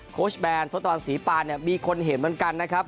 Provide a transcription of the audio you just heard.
โค้ชแบรนด์โทษตอนศรีปานมีคนเห็นเหมือนกันนะครับ